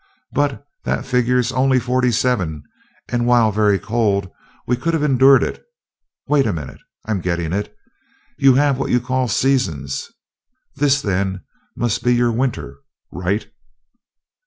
but that figures only forty seven and, while very cold, we could have endured it wait a minute, I'm getting it. You have what you call 'seasons.' This, then, must be your 'winter.' Right?"